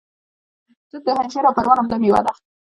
توت د پنجشیر او پروان عمده میوه ده